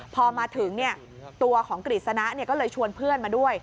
พอมาถึงตัวของกฤษณะก็เลยชวนเพื่อนมาด้วย